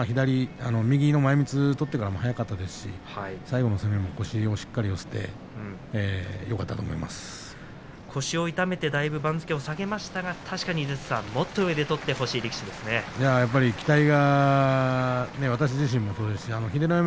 右の前みつを取ってから早かったですし最後の攻めも腰をしっかり落として腰を痛めてだいぶ番付を下げましたがもっと上で取ってほしい私自身もそうですし秀ノ山